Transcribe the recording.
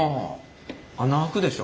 穴開くでしょ